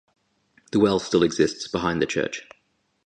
The well still exists behind the church.